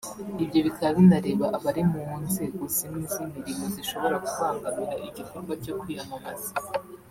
Ibyo bikaba binareba abari mu nzego zimwe z’imirimo zishobora kubangamira igikorwa cyo kwiyamamaza